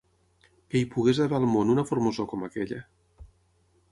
...que hi pogués haver al món una formosor com aquella.